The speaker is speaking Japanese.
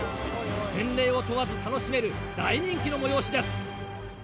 年齢を問わず楽しめる大人気の催しです。